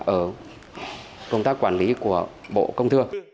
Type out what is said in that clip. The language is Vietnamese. ở công tác quản lý của bộ công thương